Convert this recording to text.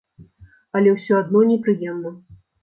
Але ўсё адно непрыемна.